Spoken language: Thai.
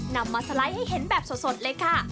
นำมาสไลด์ให้เห็นแบบสดเลยค่ะ